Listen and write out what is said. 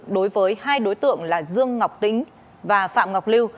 đối với hai đối tượng là dương ngọc tính và phạm ngọc lưu